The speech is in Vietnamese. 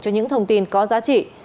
cho những thông tin có giá trị